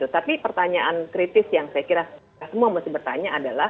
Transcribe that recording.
tapi pertanyaan kritis yang saya kira kita semua masih bertanya adalah